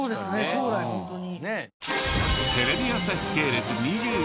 将来ホントに。